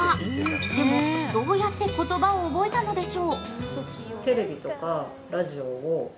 でも、どうやって言葉を覚えたのでしょう？